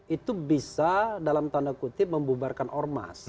itu bisa dalam tanda kutip membubarkan ormas